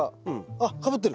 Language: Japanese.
あかぶってる！